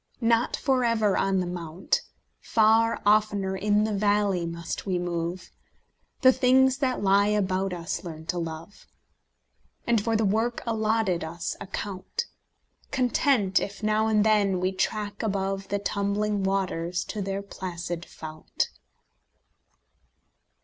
not for ever on the mount; Far oftener in the valley must we move; The things that lie about us learn to love, And for the work alloted us account; Content if, now and then, we track above The tumbling waters to their placid fount.